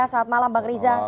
selamat malam bang rizapatria